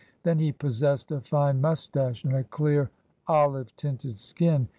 Then he possessed a fine moustache and a clear, olive tinted skin.